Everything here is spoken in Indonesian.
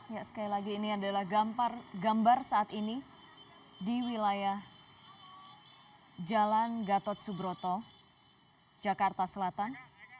ya sekali lagi ini adalah gambar saat ini di wilayah jalan gatot subroto jakarta selatan